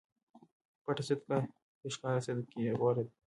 پټه صدقه تر ښکاره صدقې غوره ده.